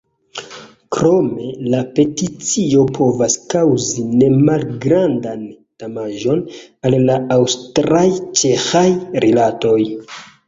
Krome la peticio povas kaŭzi nemalgrandan damaĝon al la aŭstraj-ĉeĥaj rilatoj.